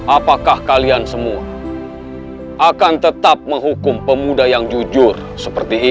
apakah kalian semua akan tetap menghukum pemuda yang jujur seperti ini